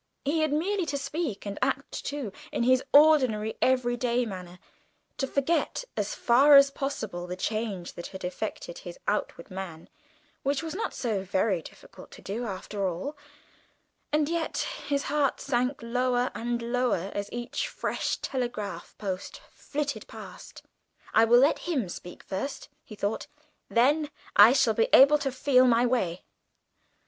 He had merely to speak and act, too, in his ordinary everyday manner; to forget as far as possible the change that had affected his outer man, which was not so very difficult to do after all and yet his heart sank lower and lower as each fresh telegraph post flitted past. "I will let him speak first," he thought; "then I shall be able to feel my way."